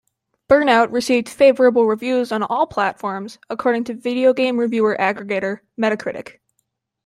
"Burnout" received "favorable" reviews on all platforms according to video game review aggregator Metacritic.